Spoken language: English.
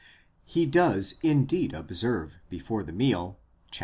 He does indeed observe, before the meal (xiii.